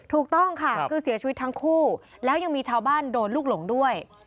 ถูกต้องค่ะคือเสียชีวิตทั้งคู่แล้วยังมีชาวบ้านโดนลูกหลงด้วย